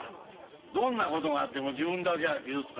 どんな事があっても自分だけは傷つかない。